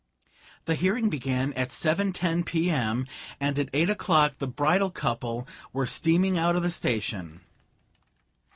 The hearing began at seven ten p. m. and at eight o'clock the bridal couple were steaming out of the station.